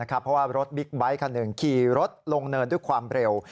เพราะว่ารถบิ๊กไบท์คันหนึ่งขี่รถลงเนินด้วยความเร็ว